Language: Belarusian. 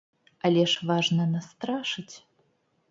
Але ж важна настрашыць!